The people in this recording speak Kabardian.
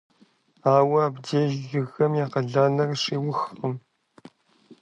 Ауэ абдеж жыгхэм я къалэныр щиухыркъым.